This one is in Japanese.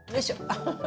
アハハ。